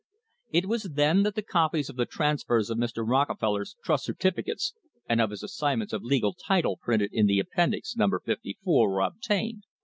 It was then that the copies of the transfers of Mr. Rockefeller's trust certificates and of his assignments of legal title printed in the Appendix, Num ber 54, were obtained.